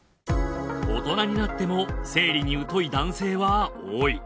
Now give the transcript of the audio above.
大人になっても生理にうとい男性は多い。